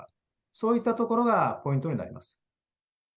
そういったところがポイントになります。